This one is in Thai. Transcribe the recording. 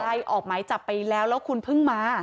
ใช่ออกหมายจับไปแล้วแล้วคุณเพิ่งมา